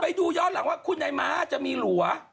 ไปดูย้อนหลังว่าคุณนายม้าจะมีหลัว